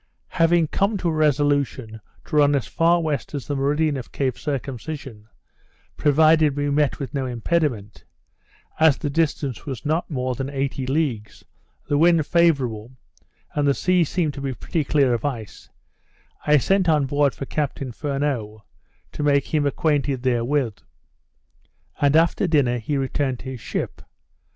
Having come to a resolution to run as far west as the meridian of Cape Circumcision, provided we met with no impediment, as the distance was not more than eighty leagues, the wind favourable, and the sea seemed to be pretty clear of ice, I sent on board for Captain Furneaux, to make him acquainted therewith, and after dinner he returned to his ship.